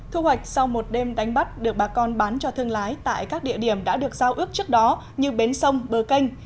thu hoạch sau một đêm đánh bắt được bà con bán cho thương lái tại các địa điểm đã được giao ước trước đó như bến sông bờ canh